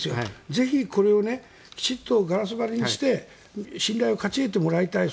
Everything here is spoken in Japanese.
ぜひ、これをきちっとガラス張りにして信頼を勝ち得てもらいたい。